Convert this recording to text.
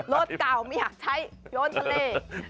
รถเก่าไม่อยากใช้โยนทะเล